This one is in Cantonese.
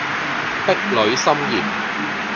壁壘森嚴